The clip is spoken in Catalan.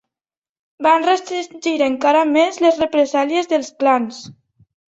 Va restringir encara més les represàlies dels clans.